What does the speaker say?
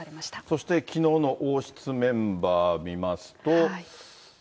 そしてきのうの王室メンバーみますと。